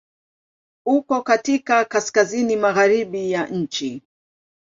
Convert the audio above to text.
Uko katika kaskazini-magharibi ya nchi.